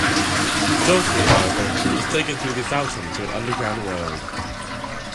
Jaufre, however, is taken through the fountain to an underground world.